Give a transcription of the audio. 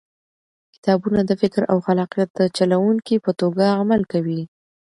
کتابونه د فکر او خلاقیت د چلوونکي په توګه عمل کوي.